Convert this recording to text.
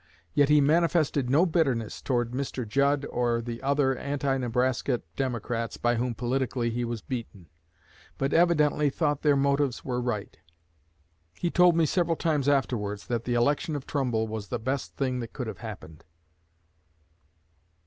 Yet he manifested no bitterness toward Mr. Judd or the other anti Nebraska Democrats by whom politically he was beaten, but evidently thought their motives were right. He told me several times afterwards that the election of Trumbull was the best thing that could have happened."